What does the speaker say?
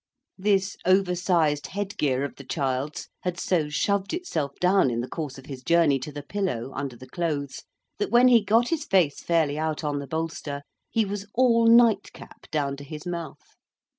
This over sized head gear of the child's had so shoved itself down in the course of his journey to the pillow, under the clothes, that when he got his face fairly out on the bolster, he was all nightcap down to his mouth.